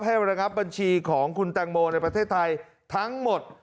ระงับบัญชีของคุณแตงโมในประเทศไทยทั้งหมด